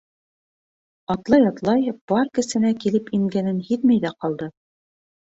Атлай-атлай, парк эсенә килеп ингәнен һиҙмәй ҙә ҡалды.